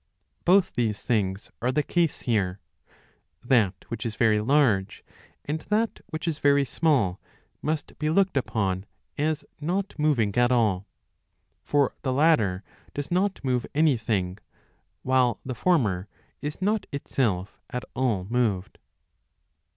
Both these things are the case here ; that which is very large and that which is very small must be looked upon as not moving at all ; for the latter does not move anything, while the former is not itself at all moved.